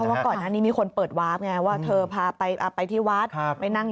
เพราะว่าก่อนนี้มีคนเปิดวาบไงว่าเธอพาไปที่วัด